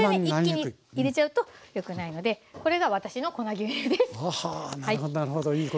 一気に入れちゃうとよくないのでこれが私の粉牛乳です。